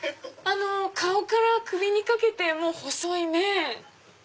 顔から首にかけても細いね。